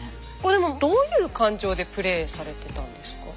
でもどういう感情でプレーされてたんですか？